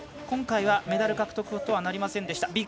今回はメダル獲得とはなりませんでした。